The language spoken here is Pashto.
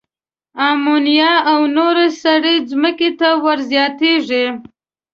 آمونیا او نورې سرې ځمکې ته ور زیاتیږي.